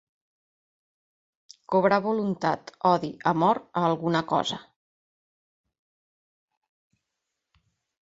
Cobrar voluntat, odi, amor, a alguna cosa.